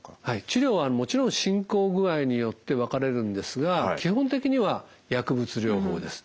治療はもちろん進行具合によって分かれるんですが基本的には薬物療法です。